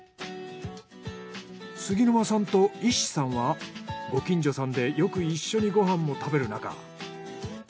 杉沼さんと伊師さんはご近所さんでよく一緒にご飯も食べる仲。